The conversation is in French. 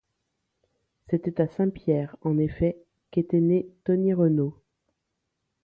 C’était à Saint-Pierre, en effet, qu’était né Tony Renault.